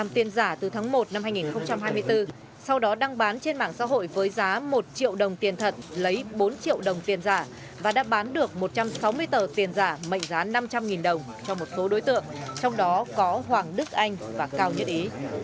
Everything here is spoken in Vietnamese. tiền giả từ tháng một năm hai nghìn hai mươi bốn sau đó đăng bán trên mạng xã hội với giá một triệu đồng tiền thật lấy bốn triệu đồng tiền giả và đã bán được một trăm sáu mươi tờ tiền giả mệnh giá năm trăm linh đồng cho một số đối tượng trong đó có hoàng đức anh và cao nhất ý